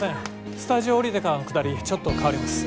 スタジオ降りてからのくだりちょっと変わります。